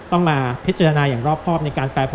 ต้องมาพิจารณาอย่างรอบครอบในการแปรผล